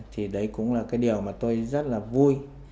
thì đấy cũng là cái điều mà tôi rất là vui